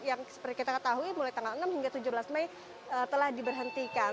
yang seperti kita ketahui mulai tanggal enam hingga tujuh belas mei telah diberhentikan